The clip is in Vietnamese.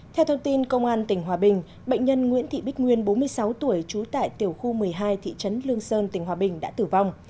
theo thông tin công an tỉnh hòa bình bệnh nhân nguyễn thị bích nguyên bốn mươi sáu tuổi trú tại tiểu khu một mươi hai thị trấn lương sơn tỉnh hòa bình đã tử vong